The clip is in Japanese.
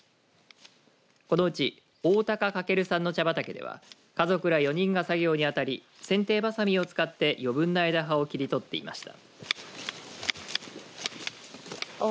このうち大高翔さんの茶畑では家族ら４人が作業に当たりせんていばさみを使って余分な枝葉を切り取っていました。